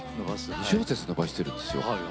２小節伸ばしてるんですよ。